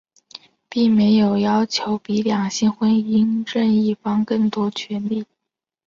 并没有要求比两性婚姻任一方更多的权利。